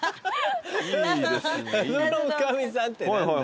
謎の女将さんって何だ？